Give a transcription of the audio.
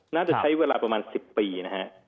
น่าจะใช้เวลาประมาณ๑๐ปีนะฮะ